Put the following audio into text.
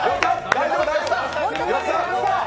大丈夫大丈夫！